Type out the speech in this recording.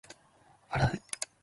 笑う